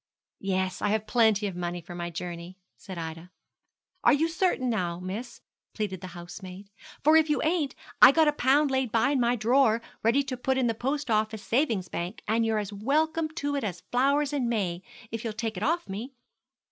'Yes; I have plenty of money for my journey,' said Ida. 'Are you certain sure, now, miss?' pleaded the housemaid; 'for if you ain't, I've got a pound laid by in my drawer ready to put in the Post Office Savings Bank, and you're as welcome to it as flowers in May, if you'll take it off me.'